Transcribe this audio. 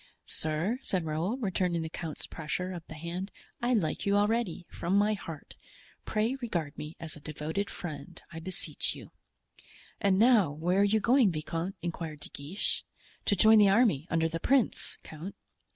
"Sir," said Raoul, returning the count's pressure of the hand, "I like you already, from my heart; pray regard me as a devoted friend, I beseech you." "And now, where are you going, viscount?" inquired De Guiche. "To join the army, under the prince, count."